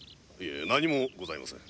何もございません。